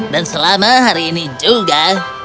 dan selama hari ini juga